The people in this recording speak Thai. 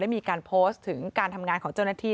มีการโพสต์ถึงการทำงานของเจ้าหน้าที่